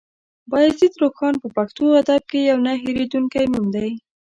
بايزيد روښان په پښتو ادب کې يو نه هېرېدونکی نوم دی.